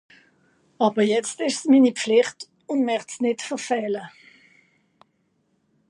Àwwer jetzt ìsch's mini Pflìcht ùn mächt's nìtt verfähle.